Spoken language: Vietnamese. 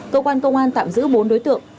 cơ quan công an tạm giữ bốn đối tượng